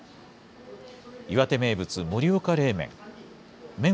岩手名物、盛岡冷麺。